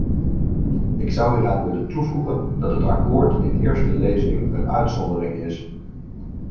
Ik zou hieraan willen toevoegen dat het akkoord in eerste lezing een uitzondering is.